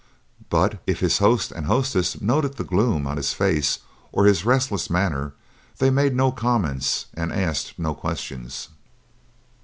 But if his host and hostess noted the gloom on his face or his restless manner they made no comments and asked no questions.